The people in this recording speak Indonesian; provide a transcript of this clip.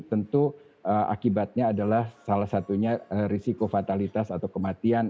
tentu akibatnya adalah salah satunya risiko fatalitas atau kematian